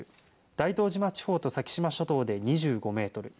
大東島地方と先島諸島で２５メートル